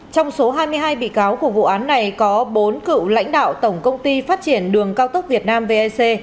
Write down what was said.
trong số hai mươi hai bị cáo của vụ án này có bốn cựu lãnh đạo tổng công ty phát triển đường cao tốc việt nam vec